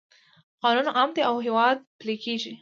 قانون عام دی او په هیواد پلی کیږي.